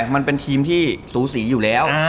มันเป็นทีมที่สูสีอยู่แล้ว